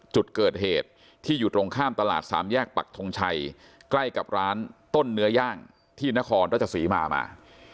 จุดเกิดเหตุที่อยู่ตรงข้ามตลาดสามแยกปักทงชัยใกล้กับร้านต้นเนื้อย่างที่นครราชศรีมามา